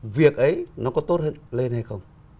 việc ấy nó có tốt hơn lên hay không